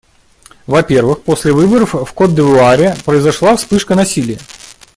Во-первых, после выборов в Кот-д'Ивуаре произошла вспышка насилия.